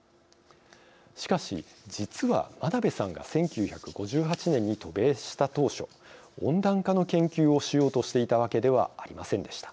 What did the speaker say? しかし、実は真鍋さんが１９５８年に渡米した当初温暖化の研究をしようとしていたわけではありませんでした。